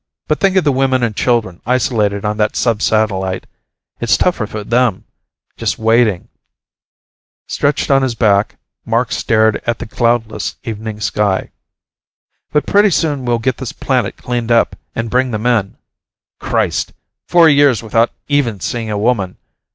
But think of the women and children isolated on that sub satellite. It's tougher for them just waiting." Stretched on his back, Mark stared at the cloudless, evening sky. "But pretty soon we'll get this planet cleaned up and bring them in. Christ! Four years without even seeing a woman.